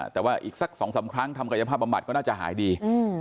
แต่ว่าอีกสัก๒๓ครั้งทำกายภาพบำบัดก็น่าจะหายดี